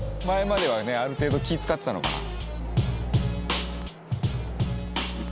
「前まではねある程度気ぃ使ってたのかな」